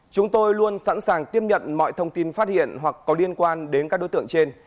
chúng tôi luôn sẵn sàng tiếp nhận mọi thông tin phát hiện hoặc có liên quan đến các đối tượng trên